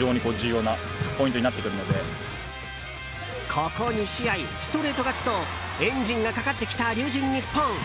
ここ２試合、ストレート勝ちとエンジンがかかってきた龍神ＮＩＰＰＯＮ。